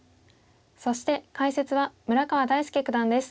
そして解説は村川大介九段です。